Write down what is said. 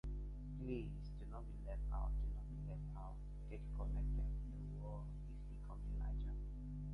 Hand signals are used to indicate the cheer used.